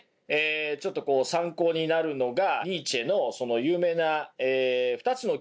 ちょっとこう参考になるのがニーチェの有名な２つのキーワードなんですね。